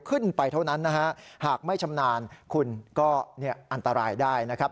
ขึ้นไปเท่านั้นนะฮะหากไม่ชำนาญคุณก็อันตรายได้นะครับ